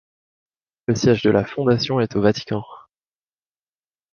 Le siège de la Fondation est au Vatican.